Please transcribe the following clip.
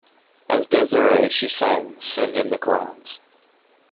As Desiree she sang "Send In The Clowns".